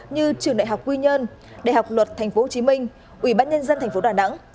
như trường đại học quy nhơn đại học luật tp hcm ủy ban nhân dân tp đà nẵng